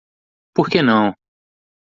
Por quê não?